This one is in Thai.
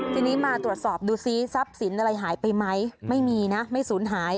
ทีนี้มาตรวจสอบดูซิทรัพย์สินอะไรหายไปไหมไม่มีนะไม่สูญหาย